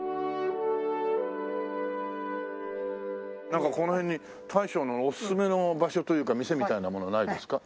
なんかこの辺に大将のおすすめの場所というか店みたいなものないですか？